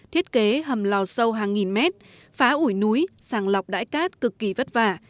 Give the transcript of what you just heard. thiết kế hầm lò sâu hàng nghìn mét phá ủi núi sàng lọc đãi cát cực kỳ vất vả